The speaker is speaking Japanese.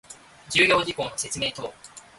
重要事項の説明等